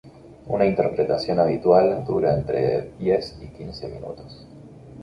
Una interpretación habitual dura entre diez y quince minutos.